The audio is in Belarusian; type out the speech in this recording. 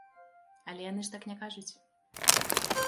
Але яны ж так не кажуць.